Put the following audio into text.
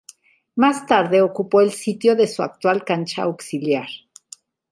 Más tarde ocupó el sitio de su actual cancha auxiliar.